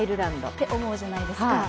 そう思うじゃないですか。